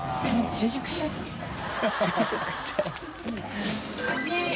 「就職しちゃえ」